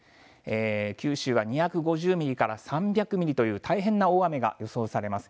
九州は２５０ミリから３００ミリという大変な大雨が予想されます。